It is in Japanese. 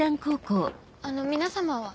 あの皆様は？